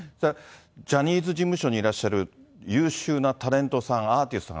ジャニーズ事務所にいらっしゃる優秀なタレントさん、アーティストさん